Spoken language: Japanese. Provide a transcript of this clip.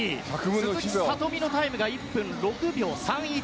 鈴木聡美のタイム１分６秒３１。